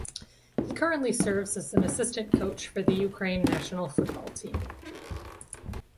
He currently serves as an assistant coach for the Ukraine national football team.